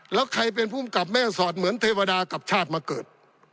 แล้วใครเป็นภูมิกับแม่สอดเหมือนเทวดากับชาติมาเกิด